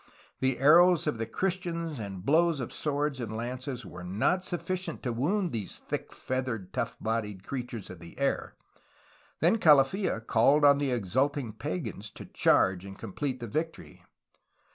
The arrows of the Christians and blows of swords and lances were not sufficient to wound these thick feathered tough bodied creatures of the air. Then Calafia called on the exulting pagans to charge and complete the victory.